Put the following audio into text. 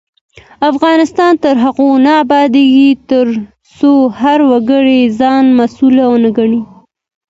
افغانستان تر هغو نه ابادیږي، ترڅو هر وګړی ځان مسؤل ونه ګڼي.